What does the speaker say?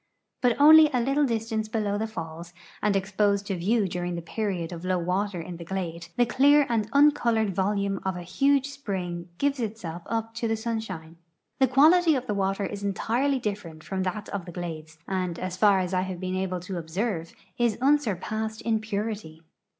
But onl3'^ a little distance below the falls, and e.\i)Osed to view during the period of low water in the glade, the clear and uncolored volume of a huge spring gives itself up to the sunshine. The quality of the water is entirely different from that of the glades, and, as far as I have been able to observe, is unsurpassed in purity.